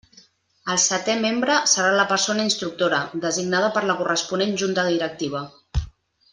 El setè membre serà la persona instructora, designada per la corresponent Junta Directiva.